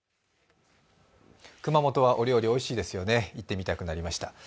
熊本はお料理おいしいですよね、行ってみたくなりました。